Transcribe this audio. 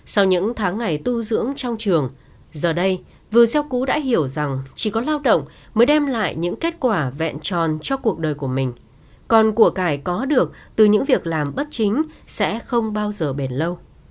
sau những tháng ngày tu dưỡng trong trường giờ đây vừa xeo cũ đã hiểu rằng chỉ có lao động mới đem lại những kết quả vẹn tròn cho cuộc đời của mình còn của cải có được từ những việc làm bất chính sẽ không bao giờ bền lâu